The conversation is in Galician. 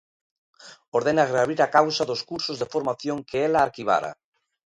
Ordena reabrir a causa dos cursos de formación que ela arquivara.